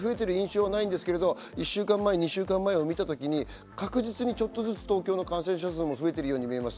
そこまで増えている印象はないですけど、１週間前、２週間前を見たときに確実にちょっとずつ東京の感染者数も増えているように見えます。